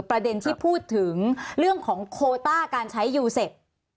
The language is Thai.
ประเด็นที่พูดถึงเรื่องของโคต้าการใช้ยูเซฟ